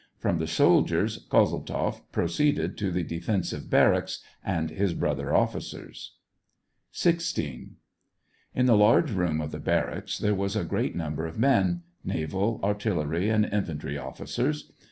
From the soldiers, Kozeltzoff proceeded to the defensive barracks and his brother officers. 200 SEVASTOPOL IN AUGUST. XVI. In the large room of the barracks there was a great number of men ; naval, artillery, and infan try officers.